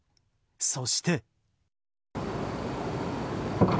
そして。